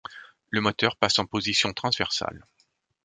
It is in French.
Le moteur passe en position transversale.